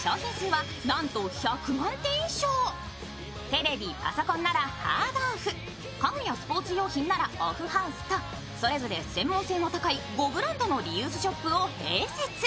テレビ、パソコンならハードオフ家具やスポーツ用品ならオフハウスとそれぞれ専門性の高い５ブランドのリユースショップを併設。